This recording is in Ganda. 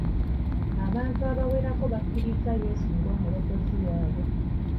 Abantu abawerako bakkirizza Yesu ng'omulokozi waabwe.